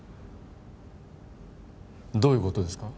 どういうことですか？